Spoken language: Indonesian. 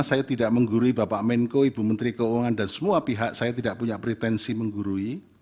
saya tidak menggurui bapak menko ibu menteri keuangan dan semua pihak saya tidak punya pretensi menggurui